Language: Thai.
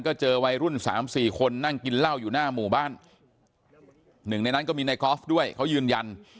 ก็เจอวัยรุ่นสามสี่คนนั่งกินเหล้าอยู่หน้าหมู่บ้านหนึ่งในนั้นก็มีในกอล์ฟด้วยเขายืนยัน